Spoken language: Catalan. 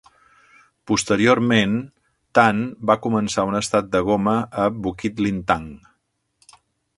Posteriorment, Tan va començar un estat de goma a Bukit Lintang.